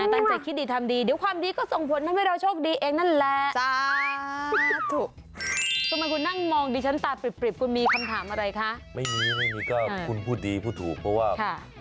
ตั้งใจคิดดีทำดีเดี๋ยวความดีก็ส่งผลทำให้เราโชคดีเองนั่นแหละ